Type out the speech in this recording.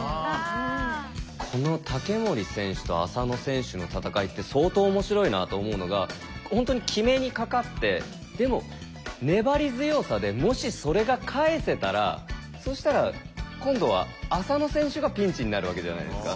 この竹守選手と浅野選手の戦いって相当面白いなと思うのが本当に決めにかかってでも粘り強さでもしそれが返せたらそしたら今度は浅野選手がピンチになるわけじゃないですか。